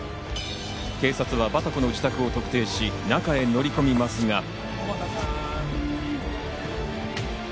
警察はバタコの自宅を特定し、中へ乗り込みますが。